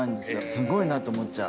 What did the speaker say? すごいなと思っちゃう。